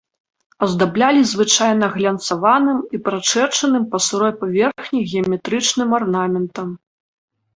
Аздаблялі звычайна глянцаваным і прачэрчаным па сырой паверхні геаметрычным арнаментам.